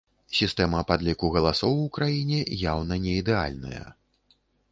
Сістэма падліку галасоў у краіне яўна не ідэальная.